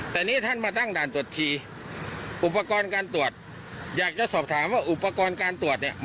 แต่นี่ท่านมาตั้งด่านตรวจชีอุปกรณ์การตรวจอยากจะสอบถามว่าอุปกรณ์การตรวจเนี่ย